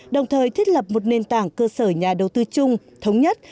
đồng thời thiết lập một nền tảng cơ sở nhà đầu tư chung thống nhất